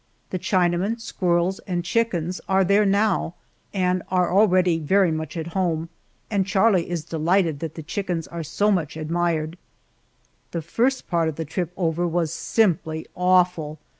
The Chinaman, squirrels, and chickens are there now, and are already very much at home, and Charlie is delighted that the chickens are so much admired. The first part of the trip over was simply awful!